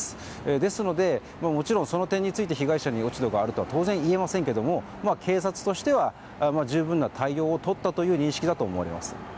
ですのでもちろんその点について、被害者に落ち度があるとは到底言えませんけど警察としては、十分な対応をとったという認識だと思われます。